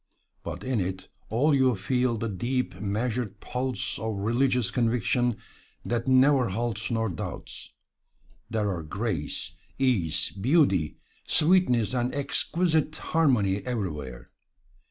But in it all you feel the deep, measured pulse of a religious conviction that never halts nor doubts. There are grace, ease, beauty, sweetness and exquisite harmony everywhere.